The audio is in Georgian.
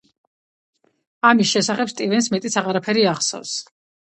ამის შესახებ სტივენს მეტიც აღარაფერი ახსოვს.